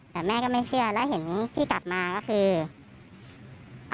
แต่แม่ก็ไม่เชื่อแล้วเห็นที่ตัดมาก็คือ